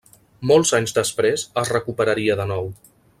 Molts anys després es recuperaria de nou.